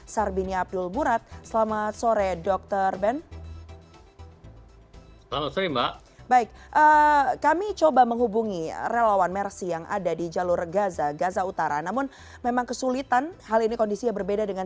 sarbini abdul burat selamat sore dr ben